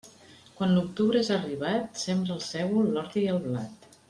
Quan l'octubre és arribat, sembra el sègol, l'ordi i el blat.